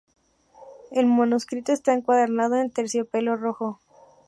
El manuscrito está encuadernado en terciopelo rojo.